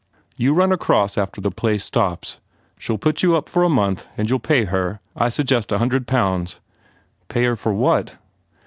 You run across after the play stops. She ll put you up for a month and you ll pay her I suggest a hundred pounds." "Pay her for what?"